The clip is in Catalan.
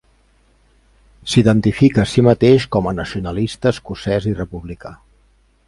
S'identifica a si mateix com a nacionalista escocès i republicà.